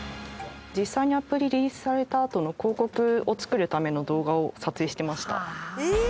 実際にＡｐｐでリリースされたあとの広告を作るための動画を撮影してました。